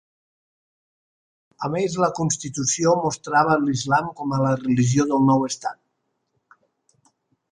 A més, la constitució mostrava l'islam com a la religió del nou estat.